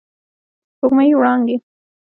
د سپوږمۍ وړانګې